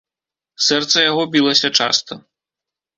Сэрца яго білася часта.